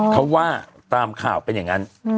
เขาว่าตามข่าวเป็นอย่างนั้น